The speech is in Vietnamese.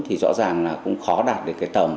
thì rõ ràng là cũng khó đạt được cái tầm